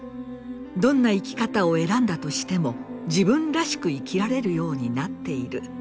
どんな生き方を選んだとしても自分らしく生きられる様になっている。